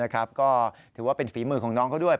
ก็ถือว่าเป็นฝีมือของน้องเขาด้วย